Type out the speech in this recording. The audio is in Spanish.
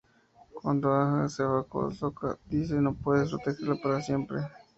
Cuando Aang se va, Sokka dice "No puedes protegerlo para siempre".